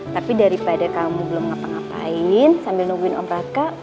tapi daripada kamu belum ngapa ngapain sambil nungguin omraka